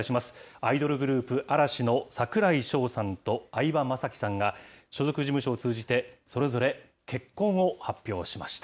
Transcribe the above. アイドルグループ、嵐の櫻井翔さんと、相葉雅紀さんが、所属事務所を通じて、それぞれ、結婚を発表しました。